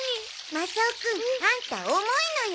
マサオくんアンタ「重い」のよ。